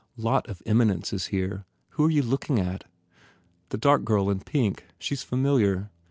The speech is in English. "Lot of eminences here. Who re you looking at?" "The dark girl in pink. She s familiar."